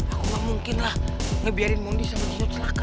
aku gak mungkin lah ngebiarin mondi sama jinut selaka